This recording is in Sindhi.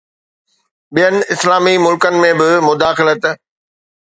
ٻين اسلامي ملڪن ۾ به مداخلت